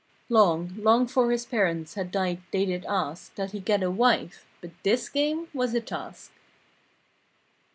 Long, long 'fore his parents had died they did ask That he get a wife—but this game was a task.